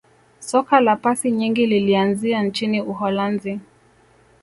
soka la pasi nyingi lilianzia nchini uholanzi